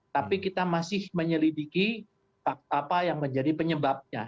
tapi kita masih menyelidiki apa yang menjadi penyebabnya